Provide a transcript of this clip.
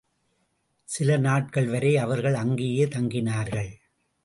சில நாட்கள் வரை அவர்கள் அங்கேயே தங்கினார்கள்.